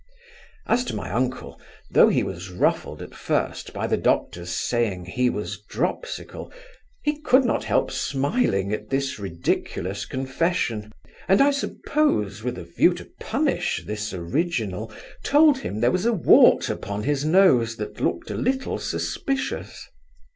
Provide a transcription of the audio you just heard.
As to my uncle, though he was ruffled at first by the doctor's saying he was dropsical, he could not help smiling at this ridiculous confession and, I suppose, with a view to punish this original, told him there was a wart upon his nose, that looked a little suspicious.